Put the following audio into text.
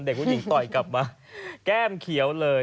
เด็กผู้หญิงต่อยกลับมาแก้มเขียวเลย